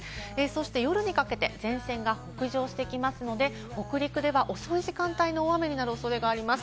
夜にかけて前線が北上してきますので、北陸では遅い時間帯の雨になる恐れがあります。